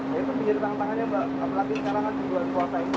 jadi pingsir tangan tangannya apalagi sekarang kan kita buat puasa ini ya